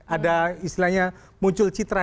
ada istilahnya muncul citra